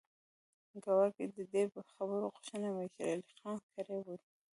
ګواکې د دې خبرو غوښتنه امیر شېر علي خان کړې ده.